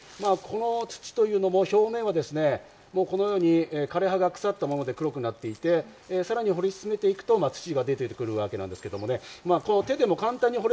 土というのも表面はこのように枯れ葉が腐ったもので黒くなっていて、さらに掘り進めていくと土が出てくるわけなんですけどね。